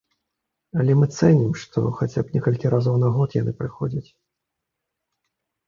Але мы цэнім, што хаця б некалькі разоў на год яны прыходзяць.